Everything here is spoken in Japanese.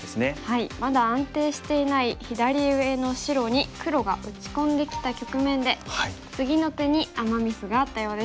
まだ安定していない左上の白に黒が打ち込んできた局面で次の手にアマ・ミスがあったようです。